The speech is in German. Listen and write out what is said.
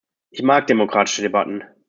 Ich mag demokratische Debatten.